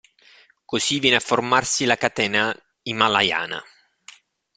Così viene a formarsi la catena Himalayana.